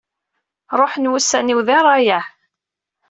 Ruḥen wussan-iw di rrayeɛ.